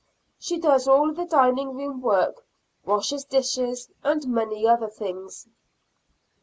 She does all the dining room work washes dishes and many other things.